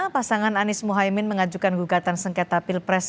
pasangan anies mohaimin mengajukan gugatan sengketa pilpres